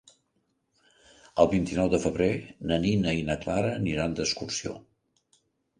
El vint-i-nou de febrer na Nina i na Clara aniran d'excursió.